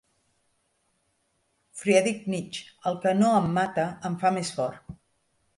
Friedrich Nietzsche: el que no em mata em fa més fort.